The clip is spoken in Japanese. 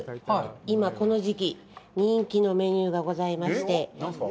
今この時期人気のメニューがございまして、何ですか。